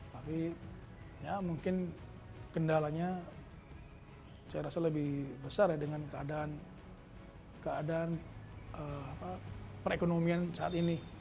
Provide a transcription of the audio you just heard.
tapi mungkin kendalanya lebih besar dengan keadaan perekonomian saat ini